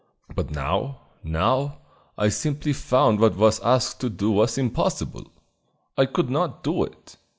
But now now, I simply found what I was asked to do was impossible! I could not do it.